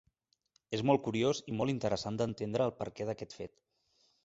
És molt curiós i molt interessant d’entendre el perquè d’aquest fet.